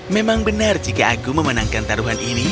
memang benar jika aku memenangkan taruhan ini